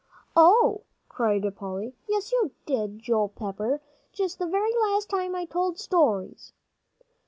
"Oh!" cried Polly, "yes, you did, Joel Pepper, just the very last time I told stories."